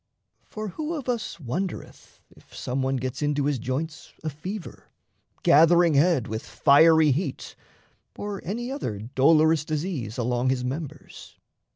For who of us Wondereth if some one gets into his joints A fever, gathering head with fiery heat, Or any other dolorous disease Along his members?